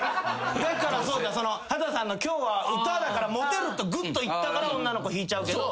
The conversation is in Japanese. だから秦さんの今日は歌だからモテるとぐっといったから女の子引いちゃうけど。